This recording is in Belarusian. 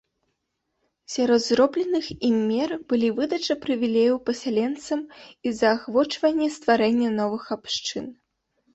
Сярод зробленых ім мер былі выдача прывілеяў пасяленцам і заахвочванне стварэння новых абшчын.